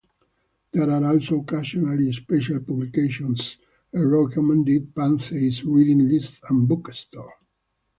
There are also occasionally special publications a recommended Pantheist reading list and book store.